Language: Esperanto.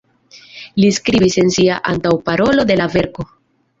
Li skribis en sia antaŭparolo de la verko.